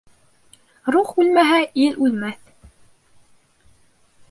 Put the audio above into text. Рух үлмәһә, ил үлмәҫ.